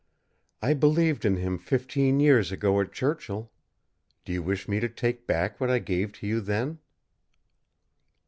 "I believed in him fifteen years ago at Churchill. Do you wish me to take back what I gave to you then?"